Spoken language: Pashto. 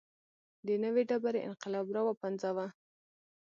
د نوې ډبرې انقلاب راوپنځاوه.